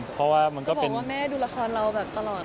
เพราะว่ามันก็บอกว่าแม่ดูละครเราแบบตลอด